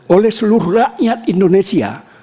oleh seluruh rakyat indonesia